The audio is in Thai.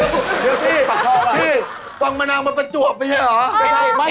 เดี๋ยวพี่พี่ฝังมะนาวมันประจวบไม่ใช่เหรอ